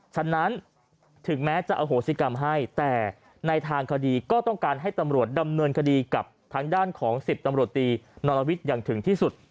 ฉะนั้นถึงแม้จะอโหสิกรรมให้แต่ในทางคดีก็ต้องการให้ตำรวจดำเนินคดีกับทางด้านของ๑๐ตำรวจตีนรวิทย์อย่างถึงที่สุด